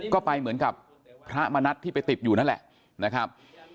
ก็ไปเหมือนกับพระมณัฐที่ไปติดอยู่นั่นแหละนะครับ